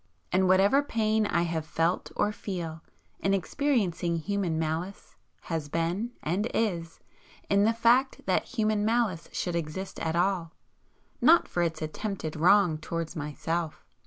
And whatever pain I have felt or feel, in experiencing human malice, has been, and is, in the fact that human malice should exist at all, not for its attempted wrong towards myself.